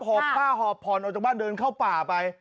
หอบผ้าหอบผ่อนออกจากบ้านเดินเข้าป่าไป